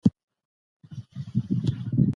سپین ږیرو د راتلونکو ستونزو اټکل کاوه.